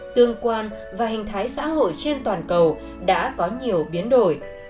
tương quan và hình thái xã hội trên toàn cầu đã có nhiều biến đổi